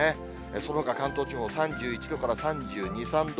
そのほか関東地方、３１度から３２、３度。